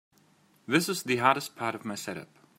This is the hardest part of my setup.